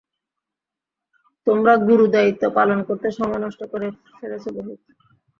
তোমরা গুরুদায়িত্ব পালন করতে সময় নষ্ট করে ফেলেছ বহুত।